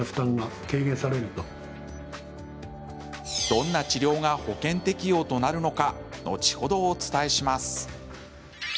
どんな治療が保険適用となるのか後ほどお伝えします。